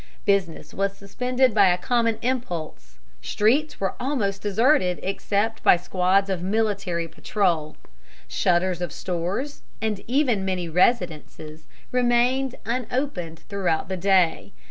Business was suspended by a common impulse; streets were almost deserted except by squads of military patrol; shutters of stores, and even many residences, remained unopened throughout the day.